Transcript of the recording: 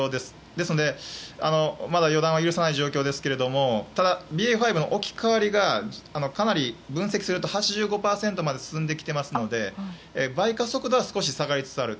ですので、まだ予断は許さない状況ですけどただ、ＢＡ．５の置き換わりがかなり、分析すると８５％まで進んできていますので倍加速度は少し下がりつつある。